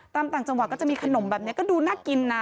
ต่างจังหวัดก็จะมีขนมแบบนี้ก็ดูน่ากินนะ